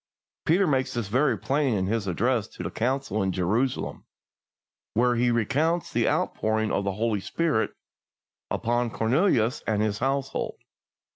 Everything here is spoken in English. Peter makes this very plain in his address to the Council in Jerusalem, where he recounts the outpouring of the Holy Spirit upon Cornelius and his household.